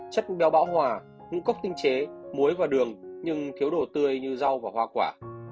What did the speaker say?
chất béo bão hòa ngũ cốc tinh chế muối và đường nhưng thiếu đồ tươi như rau và hoa quả